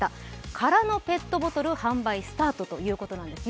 空のペットボトル販売スタートということなんですね。